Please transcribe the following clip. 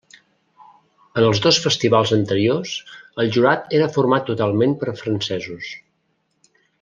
En els dos festivals anteriors, el jurat era format totalment per francesos.